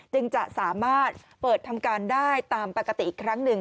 จึงจะสามารถเปิดทำการได้ตามปกติอีกครั้งหนึ่ง